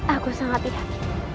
aku sangat yakin